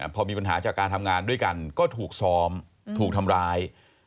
พอมีปัญหาจากการทำงานด้วยกันก็ถูกซ้อมถูกทำร้าย